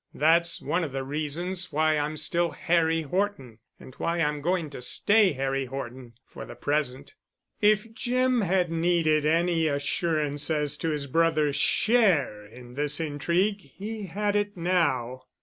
"That's one of the reasons why I'm still Harry Horton and why I'm going to stay Harry Horton—for the present." If Jim had needed any assurance as to his brother's share in this intrigue he had it now.